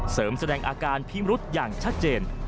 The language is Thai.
แสดงอาการพิมรุษอย่างชัดเจน